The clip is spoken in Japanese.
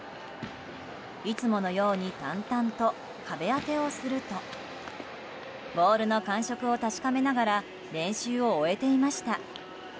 いつものように淡々と壁当てをするとボールの感触を確かめながら練習を終えていました。